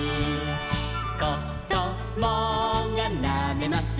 「こどもがなめます